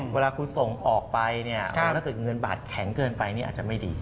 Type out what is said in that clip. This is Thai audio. เวลาคุณส่งออกไปถ้าเงินบาทแข็งเกินไปอาจจะไม่ดี